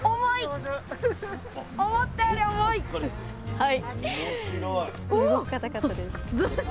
はい。